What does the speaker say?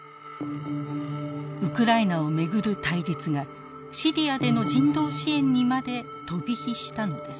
ウクライナを巡る対立がシリアでの人道支援にまで飛び火したのです。